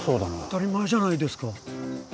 当たり前じゃないですか。